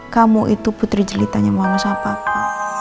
kamu itu putri jelitanya mama sama papa